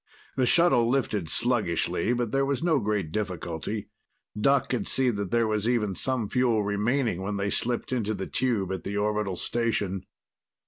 The shuttle lifted sluggishly, but there was no great difficulty. Doc could see that there was even some fuel remaining when they slipped into the tube at the orbital station.